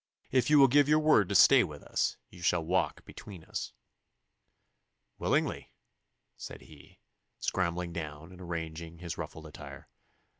'If you will give your word to stay with us, you shall walk between us.' 'Willingly,' said he, scrambling down and arranging his ruffled attire.